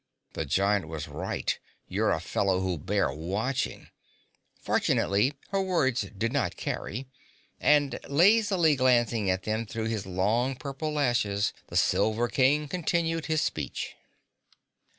"The Giant was right, you're a fellow who'll bear watching." Fortunately her words did not carry, and lazily glancing at them through his long purple lashes the Silver King continued his speech.